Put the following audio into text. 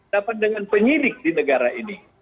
dapat dengan penyidik di negara ini